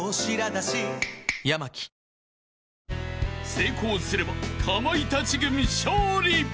［成功すればかまいたち軍勝利］